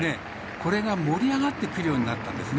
これが盛り上がってくるようになったんですね。